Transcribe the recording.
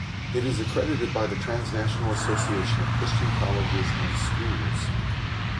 It is accredited by the Transnational Association of Christian Colleges and Schools.